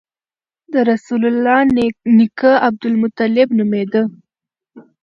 د رسول الله نیکه عبدالمطلب نومېده.